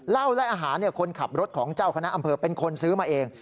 เหล้าและอาหารคนขับรถของเจ้าคณะอำเภอเป็นคนซื้อมาเอง